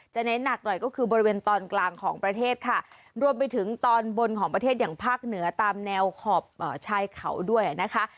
เน้นหนักหน่อยก็คือบริเวณตอนกลางของประเทศค่ะรวมไปถึงตอนบนของประเทศอย่างภาคเหนือตามแนวขอบชายเขาด้วยนะคะ